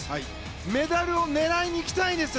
メダルを狙いに行きたいです！